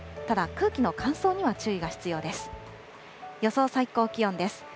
ただ、空気の乾燥には注意が必要です。